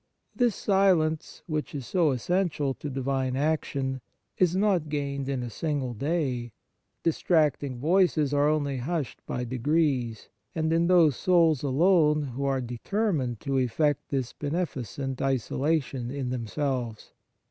This silence, which is so essential to divine action, is not gained in a single day ; distracting voices are only hushed by degrees, and in those souls alone who are determined to effect this beneficent isolation in themselves.